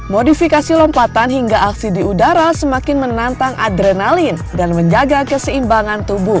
modifikasi lompatan hingga aksi di udara semakin menantang adrenalin dan menjaga keseimbangan tubuh